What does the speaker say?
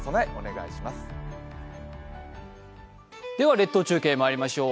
列島中継へまいりましょう。